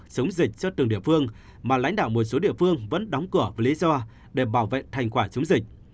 chống dịch cho từng địa phương mà lãnh đạo một số địa phương vẫn đóng cửa với lý do để bảo vệ thành quả chống dịch